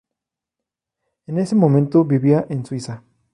En ese momento vivía en Suiza.